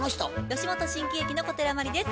吉本新喜劇の小寺真理です。